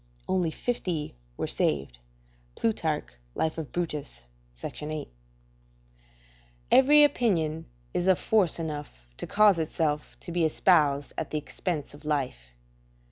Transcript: ["Only fifty were saved." Plutarch, Life of Brutus, c. 8.] Every opinion is of force enough to cause itself to be espoused at the expense of life.